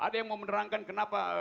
ada yang mau menerangkan kenapa